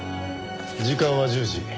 時間は１０時。